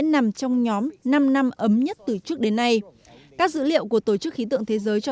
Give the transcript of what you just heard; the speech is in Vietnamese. nằm trong nhóm năm năm ấm nhất từ trước đến nay các dữ liệu của tổ chức khí tượng thế giới cho